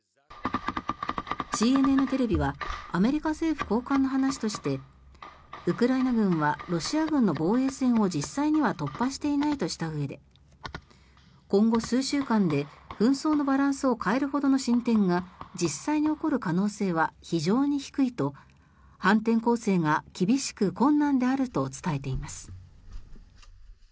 ＣＮＮテレビはアメリカ政府高官の話としてウクライナ軍はロシア軍の防衛線を実際には突破していないとしたうえで今後数週間で紛争のバランスを変えるほどの進展が実際に起こる可能性は非常に低いと反転攻勢が厳しく困難であると伝えています。